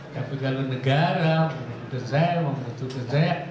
tapi kalau negara membutuhkan saya membutuhkan saya